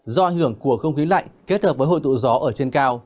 do ảnh hưởng của không khí lạnh kết hợp với hội tụ gió ở trên cao